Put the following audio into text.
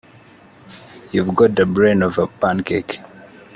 You've got the brain of a pancake.